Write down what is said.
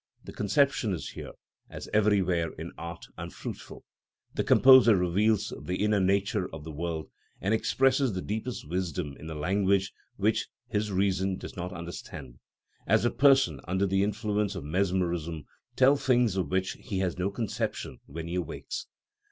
The conception is here, as everywhere in art, unfruitful. The composer reveals the inner nature of the world, and expresses the deepest wisdom in a language which his reason does not understand; as a person under the influence of mesmerism tells things of which he has no conception when he awakes.